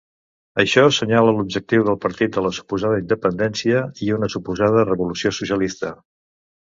Això senyala l'objectiu del partit de la suposada independència i una suposada revolució socialista.